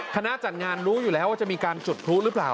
คณะจัดงานรู้อยู่แล้วว่าจะมีการจุดพลุหรือเปล่า